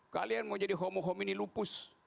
kalian mau jadi homo homini lupus